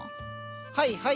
はいはい。